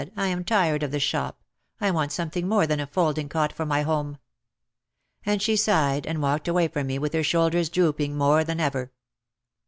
"I am tired of the shop, I want something more than a folding cot for my home. ,, And she sighed and walked away from me with her shoulders drooping more than ever.